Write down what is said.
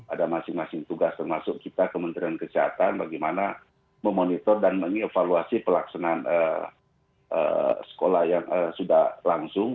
ada masing masing tugas termasuk kita kementerian kesehatan bagaimana memonitor dan mengevaluasi pelaksanaan sekolah yang sudah langsung